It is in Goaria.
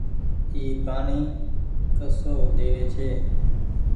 اي پآڻيٚ ڪسو ۮيوي ڇي۔